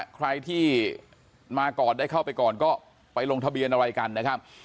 ใครที่มาก่อนได้เข้าไปก่อนก็ไปลงทะเบียนอะไรกันนะครับ